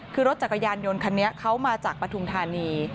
คือรถจักรยานยนต์คันนี้เขามาจากปฐุมธานี